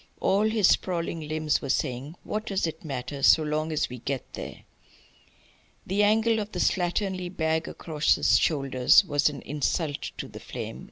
All his sprawling limbs were saying: "What does it matter, so long as we get there?" The angle of the slatternly bag across his shoulders was an insult to the flame.